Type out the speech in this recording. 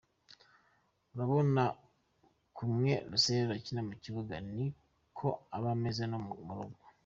Urabona kumwe Russell akina mu kibuga; ni ko aba ameze no mu rugo.